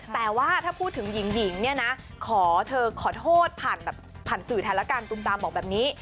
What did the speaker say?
แต่ว่าถ้าพูดถึงหญิงเนี่ยนะขอเธอขอโทษผ่านสื่อแทนละกันตุมตามบอกแบบนี้